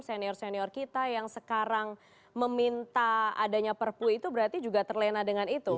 senior senior kita yang sekarang meminta adanya perpu itu berarti juga terlena dengan itu